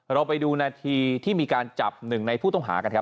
เราไปดูนาทีที่มีการจับหนึ่งในผู้ต้องหากันครับ